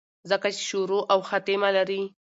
ځکه چې شورو او خاتمه لري